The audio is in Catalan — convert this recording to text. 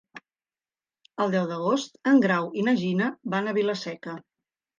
El deu d'agost en Grau i na Gina van a Vila-seca.